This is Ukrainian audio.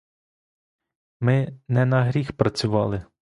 Ми не на гріх працювали!